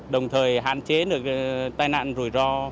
đồng thời hạn chế được tai nạn rủi ro